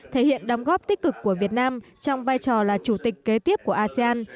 thể hiện đóng góp tích cực của việt nam trong vai trò là chủ tịch kế tiếp của asean